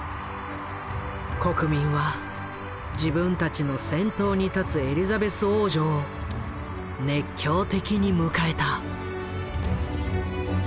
国民は自分たちの先頭に立つエリザベス王女を熱狂的に迎えた。